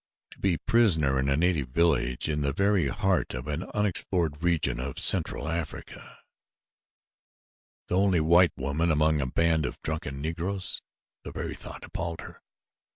To be prisoner in a native village in the very heart of an unexplored region of Central Africa the only white woman among a band of drunken Negroes! The very thought appalled her.